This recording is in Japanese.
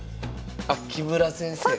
あっ木村先生か。